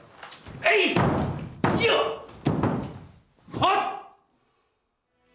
はっ！